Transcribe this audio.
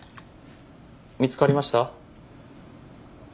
見つかりました？